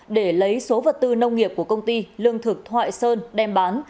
để lấy số vật tư nông nghiệp của công ty lương thực thoại sơn đem bán